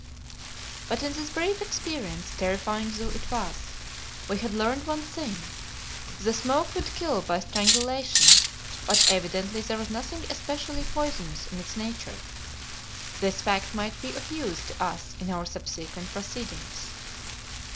But in this brief experience, terrifying though it was, we had learned one thing. The smoke would kill by strangulation, but evidently there was nothing especially poisonous in its nature. This fact might be of use to us in our subsequent proceedings.